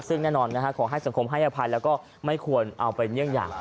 ซึ่งแน่นอนขอให้สังคมให้อภัยแล้วก็ไม่ควรเอาไปเยี่ยงอย่าง